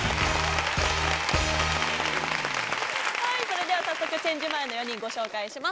それでは早速チェンジ前の４人ご紹介します。